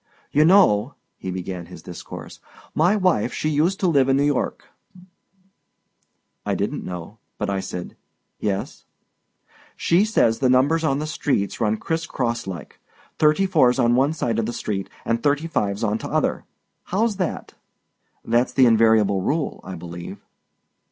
"You know," he began his discourse, "my wife she uset to live in N' York!" I didn't know, but I said "Yes." "She says the numbers on the streets runs criss cross like. Thirty four's on one side o' the street an' thirty five on t'other. How's that?" "That is the invariable rule, I believe."